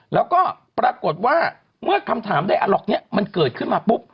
แล้วก็ปรากฏว่าเมื่อคำถามได้อาล็อกนี้มันเกิดขึ้นมาปุ๊บ